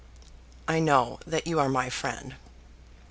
"I know that you are my friend."